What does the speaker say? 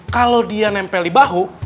kalau dia nempel di bahu